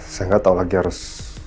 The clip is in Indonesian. sehingga nggak tahu lagi harus